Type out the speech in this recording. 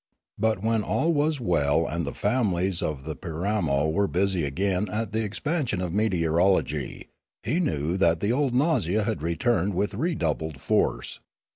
But, when all was well and the families of the Piramo were busy again at the expansion of meteorology, he knew that the old nausea had returned with redoubled force.